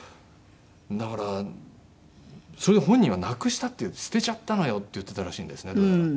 だからそれで本人はなくしたって「捨てちゃったのよ」って言ってたらしいんですね。